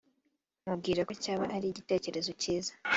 mubwira ko cyaba ari igitekerezo cyiza